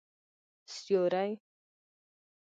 سیوری